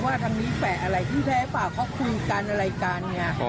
ทางนี้แฝะอะไรที่แท้เปล่าเขาคุยกันอะไรกันไง